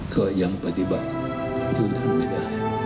ก็ยังปฏิบัติทุกท่านไม่ได้